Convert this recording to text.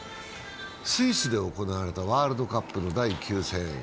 スイスで行われたワールドカップの第３戦。